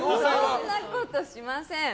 そんなことしません！